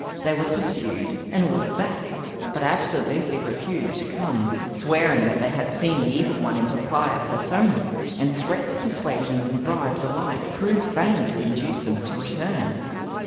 They were pursued and ordered back, but absolutely refused to come, swearing that they had seen the Evil One, in propria persona; and threats, persuasions, and bribes alike proved vain to induce them to return.